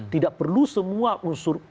tidak perlu semua unsur